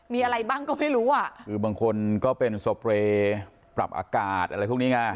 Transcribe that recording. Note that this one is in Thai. มีอะไรบ้างก็ไม่รู้อ่ะคือบางคนก็เป็นสเปรย์ปรับอากาศอะไรพวกนี้ไง